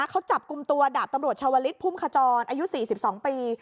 เขาจับกลุ่มตัวดาบตำรวจชาวริสต์พุ่มขจรอายุสี่สิบสองปี